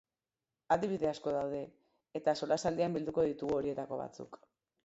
Adibide asko daude, eta solasaldian bilduko ditugu horietako batzuk.